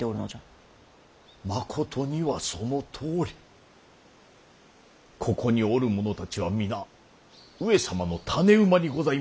まことにはそのとおりここにおる者たちは皆上様の種馬にございます。